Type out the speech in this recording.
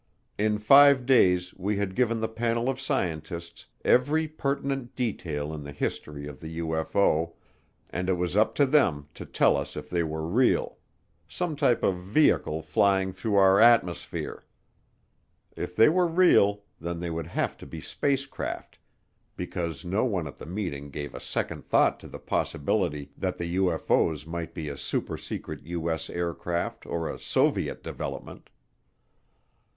In five days we had given the panel of scientists every pertinent detail in the history of the UFO, and it was up to them to tell us if they were real some type of vehicle flying through our atmosphere. If they were real, then they would have to be spacecraft because no one at the meeting gave a second thought to the possibility that the UFO's might be a supersecret U.S. aircraft or a Soviet development.